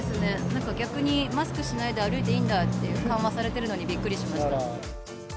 なんか逆に、マスクしないで歩いていいんだって、緩和されてるのにびっくりしました。